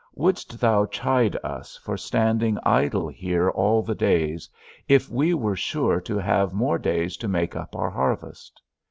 Wouldst thou chide us for standing idle here all the day, if we were sure to have more days to make up our harvest?